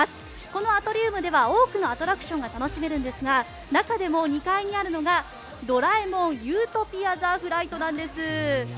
このアトリウムでは多くのアトラクションが楽しめるんですが中でも２階にあるのが「ドラえもん理想郷ザ・フライト」なんです。